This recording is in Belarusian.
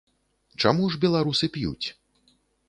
Чаму ж беларусы п'юць?